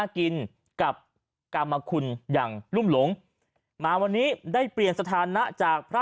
กินกับกรรมคุณอย่างรุ่มหลงมาวันนี้ได้เปลี่ยนสถานะจากพระ